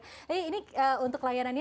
tapi ini untuk layanan